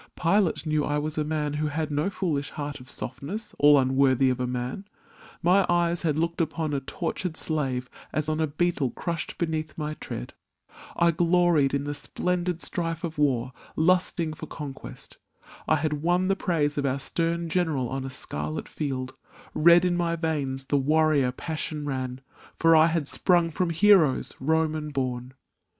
Pilate knew I was a man who had no foolish heart Of softness all unworthy of a man! My eyes had looked upon a tortured slave As on a beetle crushed beneath my tread; I gloried in the splendid strife of war, Lusting for conquest ; I had won the praise Of our stern general on a scarlet field; Red in my v^ins the warrior passion ran, For I had sprung from heroes, Roman born!